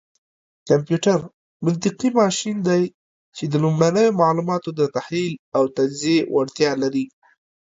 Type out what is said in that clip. کمپيوټر منطقي ماشين دی، چې د لومړنيو معلوماتو دتحليل او تجزيې وړتيا لري.